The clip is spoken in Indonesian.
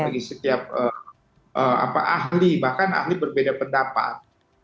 bagi setiap ahli bahkan ahli berbeda pendapat